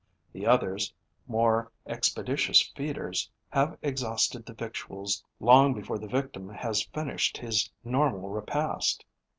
The others, more expeditious feeders, have exhausted the victuals long before the victim has finished his normal repast.